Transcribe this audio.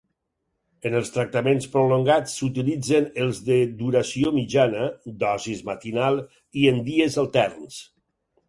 En els tractaments prolongats s'utilitzen els de duració mitjana, dosis matinal i en dies alterns.